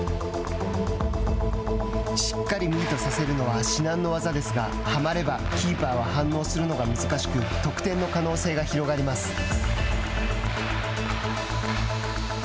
しっかりミートさせるのは至難の業ですがはまれば、キーパーは反応するのが難しく得点の可能性が広がります。